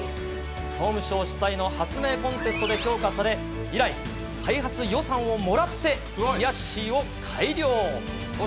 総務省主催の発明コンテストで評価され、以来、開発予算をもらって、ひやっしーを改良。